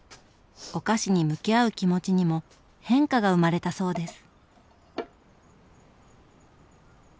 お菓子に向き合う気持ちにも変化が生まれたそうです。